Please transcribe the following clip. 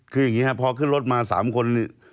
คืออย่างนี้ครับพอขึ้นรถมา๓คน